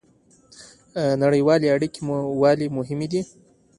نړیوالې اړیکې ولې مهمې دي؟